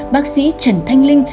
bác sĩ trần thanh linh